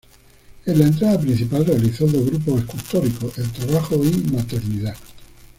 En la entrada principal, realizó dos grupos escultóricos: "El trabajo" y "Maternidad".